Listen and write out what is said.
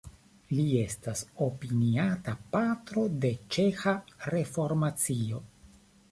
Li estas opiniata patro de ĉeĥa reformacio.